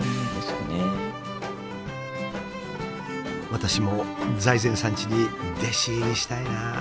私も財前さんちに弟子入りしたいなあ。